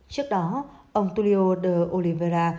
trước đó ông tulio de oliveira